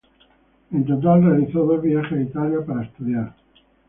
En total realizó dos viajes a Italia para estudiar.